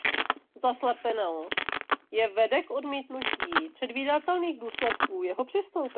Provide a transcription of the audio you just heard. Zaslepenost je vede k odmítnutí předvídatelných důsledků jeho přistoupení.